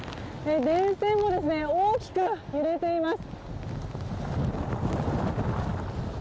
電線も大きく揺れています。